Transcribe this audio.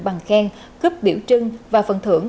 bằng khen cướp biểu trưng và phần thưởng